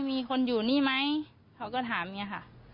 มีคนอยู่นี่ไหมเขาก็ถามอย่างนี้ค่ะ